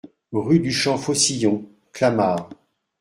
Rue du Champ Faucillon, Clamart